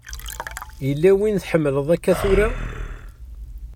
Yella win tḥemmleḍ akka tura?